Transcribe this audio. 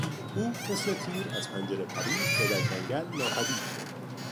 او مثل تیر از پنجره پرید و در جنگل ناپدید شد.